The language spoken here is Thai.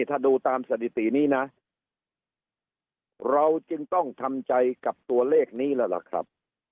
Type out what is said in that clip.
ถ้าดูตามสถิตินี้นะเราจึงต้องทำใจกับตัวเลขนี้แล้วล่ะครับ